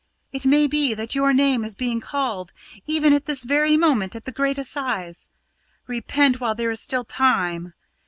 It may be that your name is being called even at this very moment at the Great Assize. Repent while there is still time.